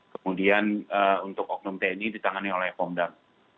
kemudian untuk oknum tni ditangani oleh pomdam